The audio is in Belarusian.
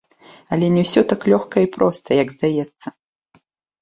Але не ўсё так лёгка і проста, як здаецца.